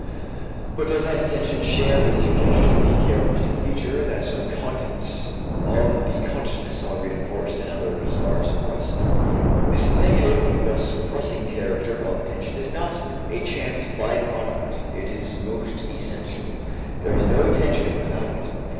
But does not attention share with suggestion the characteristic feature that some contents of consciousness are reënforced and others are suppressed? This negative, this suppressing character of attention is not a chance by product, it is most essential. There is no attention without it.